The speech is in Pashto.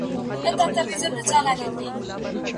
خو هر ګوره یو د بل په ځان بلا وه